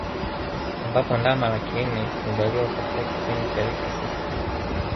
Ambapo ndama laki nne huzaliwa katika kipindi cha wiki sita